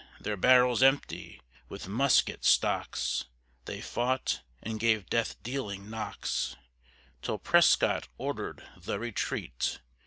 Their barrels empty, with musket stocks They fought, and gave death dealing knocks, Till Prescott ordered the retreat.